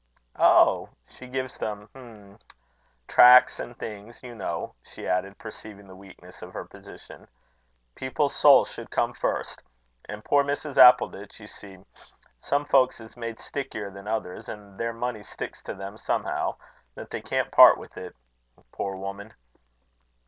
"Oh! she gives them hm m tracts and things. You know," she added, perceiving the weakness of her position, "people's souls should come first. And poor Mrs. Appleditch you see some folks is made stickier than others, and their money sticks to them, somehow, that they can't part with it poor woman!"